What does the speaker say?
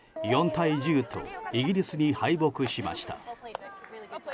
４対１０とイギリスに敗北しました。